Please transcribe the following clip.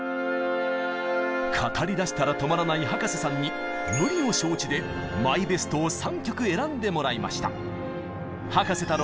語りだしたら止まらない葉加瀬さんに無理を承知でマイベストを３曲選んでもらいました。